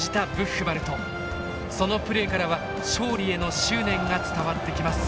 そのプレーからは勝利への執念が伝わってきます。